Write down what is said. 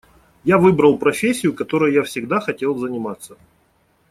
Я выбрал профессию, которой я всегда хотел заниматься.